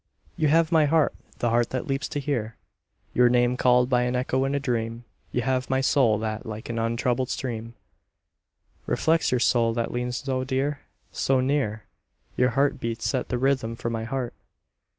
You have my heart the heart that leaps to hear Your name called by an echo in a dream; You have my soul that, like an untroubled stream, Reflects your soul that leans so dear, so near Your heartbeats set the rhythm for my heart.